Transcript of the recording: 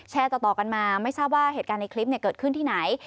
แชร์ต่อกันมาไม่ทราบว่าเหตุการณ์ในคลิปเกิดขึ้นที่ไหน